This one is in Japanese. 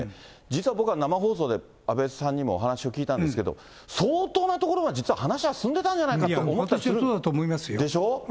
実は僕は生放送で安倍さんにもお話を聞いたんですけど、相当なところまで実は話は進んでたんじゃないかと。でしょ。